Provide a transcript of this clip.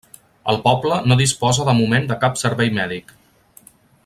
El poble no disposa de moment de cap servei mèdic.